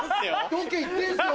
ロケ行ってんすよ！